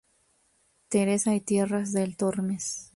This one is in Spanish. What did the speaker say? Teresa y Tierras del Tormes.